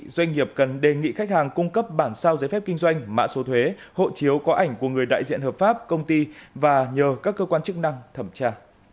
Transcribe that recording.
doanh nghiệp cần đề nghị khách hàng cung cấp bản sao giấy phép kinh doanh mạ số thuế hộ chiếu có ảnh của người đại diện hợp pháp công ty và nhờ các cơ quan chức năng thẩm tra